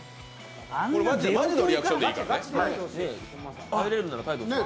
マジのリアクションでいいからね。